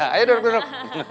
ayo duduk duduk